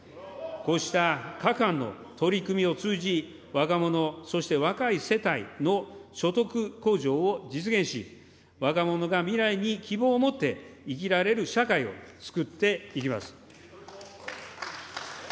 こうした各般の取り組みを通じ、若者、そして若い世帯の所得向上を実現し、若者が未来に希望を持って生きられる社会を創っていきます。